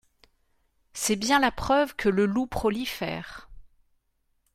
C’est bien la preuve que le loup prolifère.